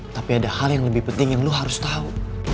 tapi ada hal yang lebih penting yang lu harus tahu